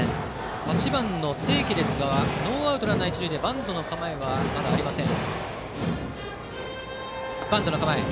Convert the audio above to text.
８番の清家ですがノーアウトランナー、一塁でバントの構えはまだありません。